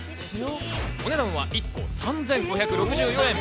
お値段は１個３５６４円。